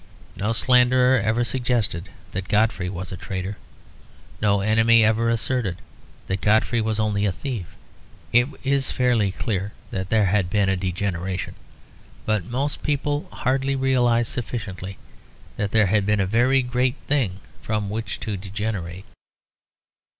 No slanderer ever suggested that Godfrey was a traitor; no enemy ever asserted that Godfrey was only a thief. It is fairly clear that there had been a degeneration; but most people hardly realise sufficiently that there had been a very great thing from which to degenerate.